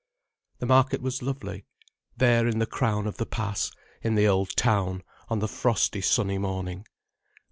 The market was lovely, there in the crown of the pass, in the old town, on the frosty sunny morning.